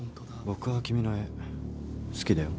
僕は君の絵好きだよ。